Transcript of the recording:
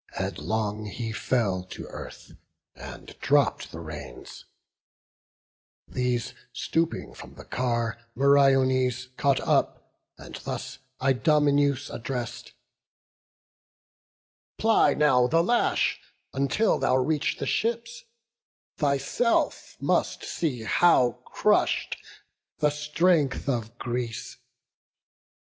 Headlong he fell to earth, and dropp'd the reins: These, stooping from the car, Meriones Caught up, and thus Idomeneus address'd: "Ply now the lash, until thou reach the ships: Thyself must see how crush'd the strength of Greece."